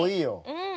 うん。